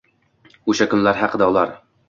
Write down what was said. Oʻsha kunlar haqida ular